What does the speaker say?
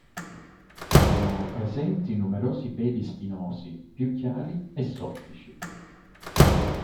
Sono presenti numerosi peli spinosi più chiari e soffici.